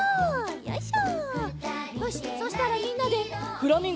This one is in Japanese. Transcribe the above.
よいしょ。